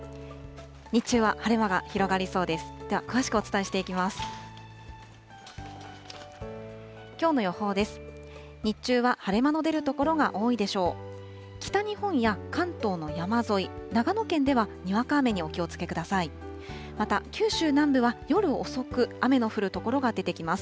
日中は晴れ間が広がりそうです。